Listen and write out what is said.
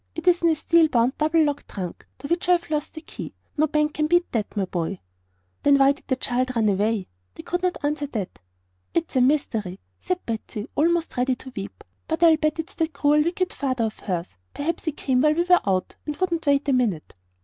"It is in a steel bound, double locked trunk, to which I've lost the key. No bank can beat that, my boy." "Then why did the child run away?" They could not answer that. "It's a mystery," said Patsy, almost ready to weep. "But I'll bet it's that cruel, wicked father of hers. Perhaps he came while we were out and wouldn't wait a minute."